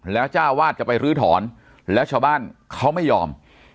แล้วเจ้าวาดจะไปรื้อถอนแล้วชาวบ้านเขาไม่ยอม